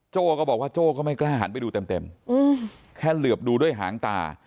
ก็บอกว่าโจ้ก็ไม่กล้าหันไปดูเต็มแค่เหลือบดูด้วยหางตา